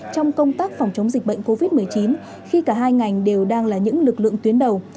trong công tác phòng chống dịch bệnh covid một mươi chín khi cả hai ngành đều đang là những lực lượng tuyến đầu